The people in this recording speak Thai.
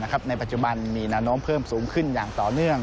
ตัวลิ้นในปัจจุบันมีนอนมเพิ่มสูงขึ้นอย่างต่อเนื่อง